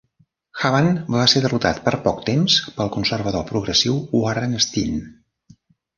Huband va ser derrotat per poc temps pel conservador progressiu Warren Steen.